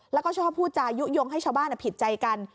แล้วก็ชอบพูดจายุโยงให้ชาวบ้านผิดใจกัน